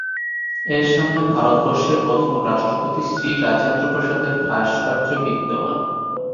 এর সামনে ভারতবর্ষের প্রথম রাষ্ট্রপতি, শ্রী রাজেন্দ্র প্রসাদের ভাস্কর্য বিদ্যমান।